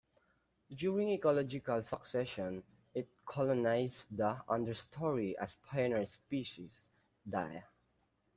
During ecological succession, it colonizes the understory as pioneer species die.